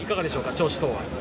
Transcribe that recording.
調子等は。